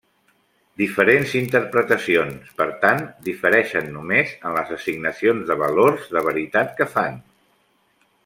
Diferents interpretacions, per tant, difereixen només en les assignacions de valors de veritat que fan.